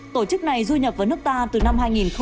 tổ chức này du nhập vào nước ta từ năm hai nghìn bảy